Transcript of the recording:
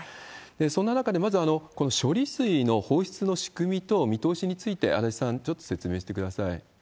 そんな中で、まずこの処理水の放出の仕組みと見通しに対して、足立さん、ちょっと説明してください。